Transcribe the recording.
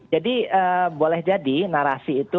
jadi boleh jadi narasi itu